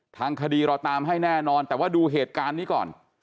ทางคดีเราตามให้แน่นอนแต่ว่าดูเหตุการณ์นี้ก่อน